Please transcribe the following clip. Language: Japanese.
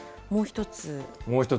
もう１つ。